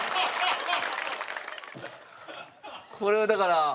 これはだから。